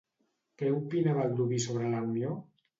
Què opina Baldoví sobre la unió?